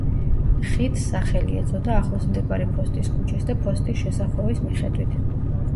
ხიდს სახელი ეწოდა ახლოს მდებარე ფოსტის ქუჩის და ფოსტის შესახვევის მიხედვით.